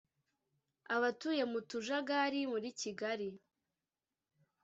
Abatuye mu tujagari muri Kigali